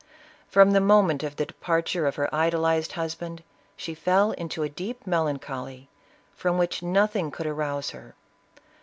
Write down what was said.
From the moment of the departure of her idolized husband, she fell into a deep melancholy, from which nothing could arouse her.